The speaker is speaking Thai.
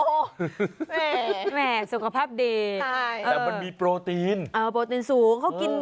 แหม่สุขภาพดีใช่แต่มันมีโปรตีนเออโปรตีนสูงเขากิน